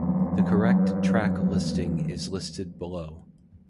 The correct track listing is listed below.